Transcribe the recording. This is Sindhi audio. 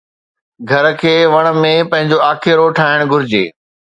گهر کي وڻ ۾ پنهنجو آکيرو ٺاهڻ گهرجي